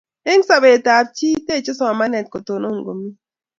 en sobetab chi teche somanee kotonon komie